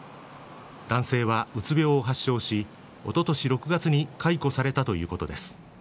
男性は、鬱病を発症しおととし６月に解雇されたということです。